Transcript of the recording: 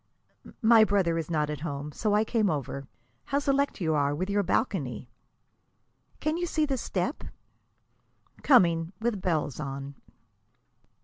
"My brother is not at home, so I came over. How select you are, with your balcony!" "Can you see the step?" "Coming, with bells on."